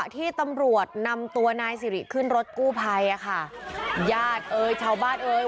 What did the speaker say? ที่ตำรวจนำตัวนายสิริขึ้นรถกู้ภัยอ่ะค่ะญาติเอ่ยชาวบ้านเอ่ย